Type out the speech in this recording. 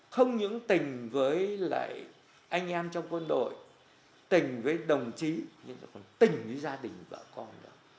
không những tình với lại anh em trong quân đội tình với đồng chí nhưng còn tình với gia đình vợ con nữa